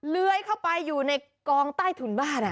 เลื้อยเข้าไปอยู่ในกองใต้ถุนบ้าน